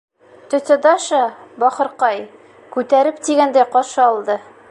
— Тетя Даша, бахырҡай, күтәреп тигәндәй ҡаршы алды.